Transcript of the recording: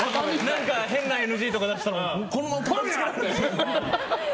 何か変なＮＧとか出したらこのまま。